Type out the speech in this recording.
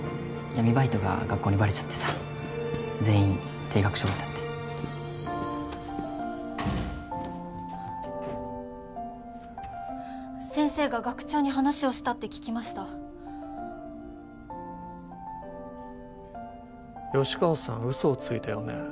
闇バイトが学校にバレちゃってさ全員停学処分だって先生が学長に話をしたって聞きました吉川さん嘘をついたよね